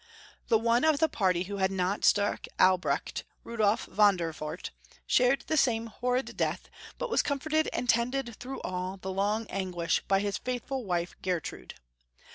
The one of the party who had not struck Albrecht, Rudolf von der Wart, shared the same horrid death, but was comforted and tended through all the long anguish by his faithful Ysdfe Gertrude.